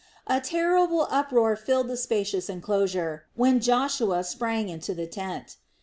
A terrible uproar filled the spacious enclosure, when Joshua sprang into the tent.